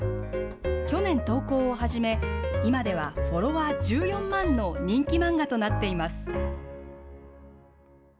去年投稿を始め、今ではフォロワー１４万の人気マンガとなっています。